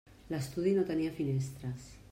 L'estudi no tenia finestres.